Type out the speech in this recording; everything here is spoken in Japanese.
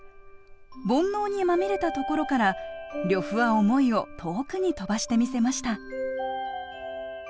煩悩にまみれたところから呂布は想いを遠くに飛ばしてみせました。